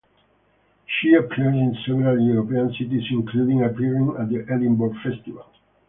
She appeared in several European cities including appearing at the Edinburgh Festival.